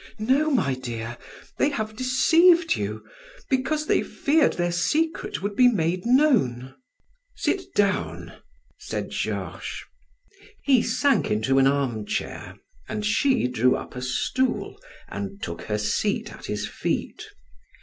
"No, my dear, they have deceived you, because they feared their secret would be made known." "Sit down," said Georges. He sank into an armchair, while she drew up a stool and took her seat at his feet.